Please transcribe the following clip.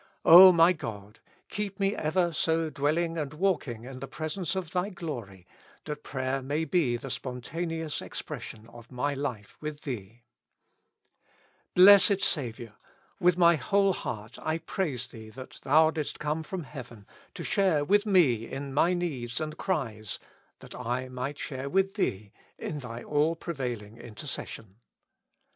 O my God ! keep me ever so dwelling and walking in the presence of Thy glory, that prayer may be the spontaneous expression of my life with Thee. 17 257 With Christ in the School of Prayer. Blessed Saviour ! with my whole heart I praise Thee that Thou didst come from heaven to share with me in my needs and cries, that I might share with Thee in Thy all prevailing intercession.